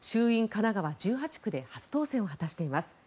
神奈川１８区で初当選を果たしています。